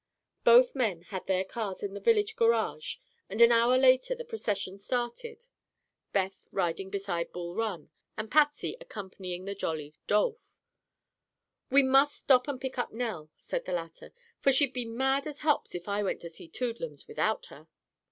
Both men had their cars at the village garage and an hour later the procession started. Beth riding beside "Bul Run" and Patsy accompanying the jolly "Dolph." "We must stop and pick up Nell," said the latter, "for she'd be mad as hops if I went to see Toodlums without her."